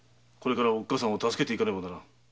これからおっかさんを助けていかねばな。